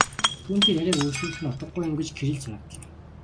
Түүнтэй яриаг үргэжлүүлэх нь утгагүй юм гэж Кириллд санагдлаа.